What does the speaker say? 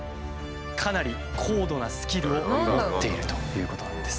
かなり高度なスキルを持っているということなんです。